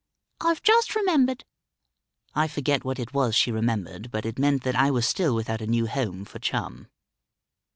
"I've just remembered " I forget what it was she remembered, but it meant that I was still without a new home for Chum.